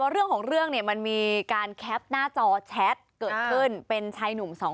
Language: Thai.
เรื่องของเรื่องเนี่ยมันมีการแคปหน้าจอแชทเกิดขึ้นเป็นชายหนุ่มสองคน